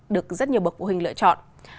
được rất nhiều bậc của hình lựa chọn